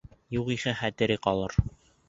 Юғиһә хәтере ҡалыр.